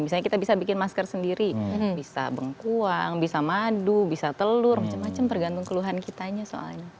misalnya kita bisa bikin masker sendiri bisa bengkuang bisa madu bisa telur macam macam tergantung keluhan kitanya soalnya